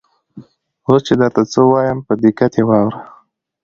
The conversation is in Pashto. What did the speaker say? اوس چې درته څه وایم په دقت یې واوره.